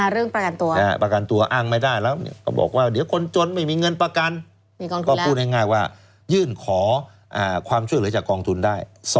เรื่องประกันตัวประกันตัวอ้างไม่ได้แล้วก็บอกว่าเดี๋ยวคนจนไม่มีเงินประกันก็พูดง่ายว่ายื่นขอความช่วยเหลือจากกองทุนได้